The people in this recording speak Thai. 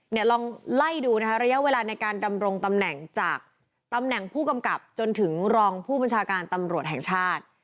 ลองไล่ดูนะคะระยะเวลาในการดำรงตำแหน่งจากตำแหน่งผู้กำกับจนถึงรองผู้บัญชาการตำรวจแห่งชาติ